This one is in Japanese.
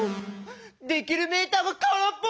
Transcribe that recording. できるメーターがからっぽ！